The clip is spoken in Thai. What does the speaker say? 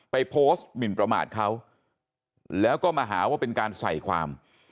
ไปโพสต์หมินประมาทเขาแล้วก็มาหาว่าเป็นการใส่ความ